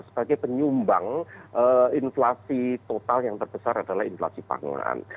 sebagai penyumbang inflasi total yang terbesar adalah inflasi pangan